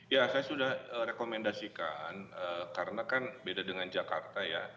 ya saya sudah rekomendasikan karena kan beda dengan jakarta ya